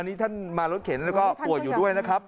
นี่ท่านมารถเข็นแล้วก็ป่วยอยู่ด้วยนะครับ